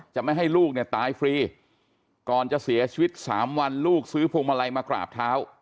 จะไม่ให้ลูกเนี่ยตายฟรีก่อนจะเสียชีวิตสามวันลูกซื้อพวงมาลัยมากราบเท้า